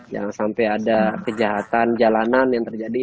jangan sampai ada kejahatan jalanan yang terjadi